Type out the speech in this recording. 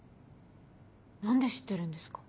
何で知ってるんですか？